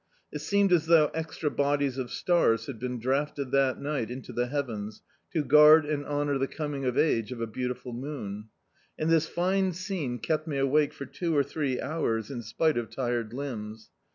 It seemed as though extra bodies of stars had been drafted that night into the heavens to guard and honour the coming of age of a beautiful moon. And this fine scene kept me awake for two or three hours, in spite of tired limbs.